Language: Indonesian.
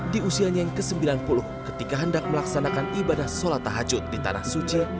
di usianya yang ke sembilan puluh ketika hendak melaksanakan ibadah sholat tahajud di tanah suci